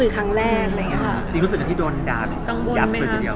กังวลไหมครับ